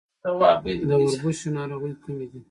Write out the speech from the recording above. د وربشو ناروغۍ کومې دي؟